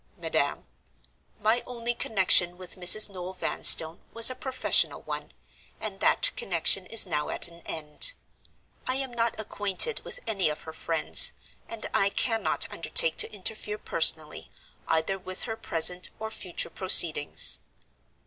"MADAM, "My only connection with Mrs. Noel Vanstone was a professional one, and that connection is now at an end. I am not acquainted with any of her friends; and I cannot undertake to interfere personally, either with her present or future proceedings.